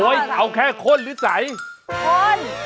โอ๊ยเอาแค่ข้นหรือใส่ข้น